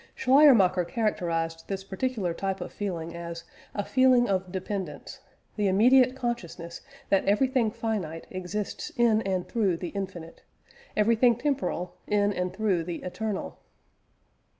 Schleiermacher characterised this particular type of feeling as a feeling of dependence: the immediate consciousness that everything finite exists in and through the infinite, everything temporal in and through the eternal.